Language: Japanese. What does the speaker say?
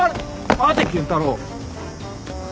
待て健太郎。